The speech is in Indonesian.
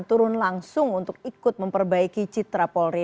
turun langsung untuk ikut memperbaiki citra polri